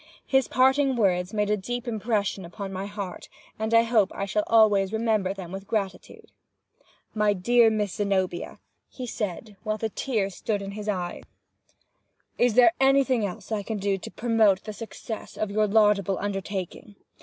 His parting words made a deep impression upon my heart, and I hope I shall always remember them with gratitude. "My dear Miss Zenobia," he said, while the tears stood in his eyes, "is there anything else I can do to promote the success of your laudable undertaking?